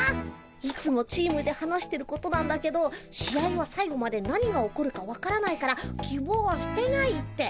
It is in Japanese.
いつもチームで話してることなんだけど「試合は最後まで何が起こるか分からないからきぼうはすてない」って。